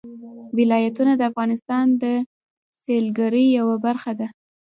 ولایتونه د افغانستان د سیلګرۍ یوه برخه ده.